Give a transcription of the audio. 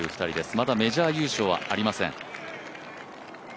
まだメジャー優勝はありません。